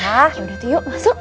ya udah tuh yuk masuk